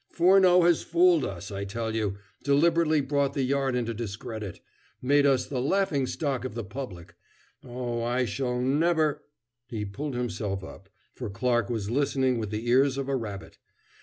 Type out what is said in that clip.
Furneaux has fooled us, I tell you deliberately brought the Yard into discredit made us the laughing stock of the public. Oh, I shall never " He pulled himself up, for Clarke was listening with the ears of a rabbit.